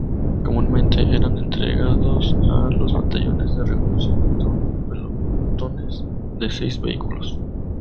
Comúnmente eran entregados a los batallones de reconocimiento en pelotones de seis vehículos.